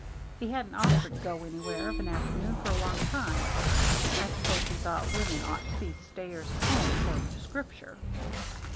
He hadn't offered to go anywhere of an afternoon for a long time. I s'pose he thought women ought to be stayers at home according to Scripture.